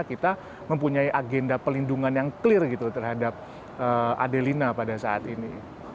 kita mempunyai agenda pelindungan yang clear gitu terhadap adelina pada saat ini